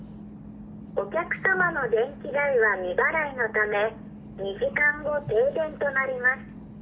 お客様の電気代は未払いのため、２時間後、停電となります。